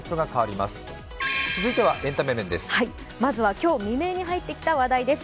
まずは今日未明に入ってきた話題です。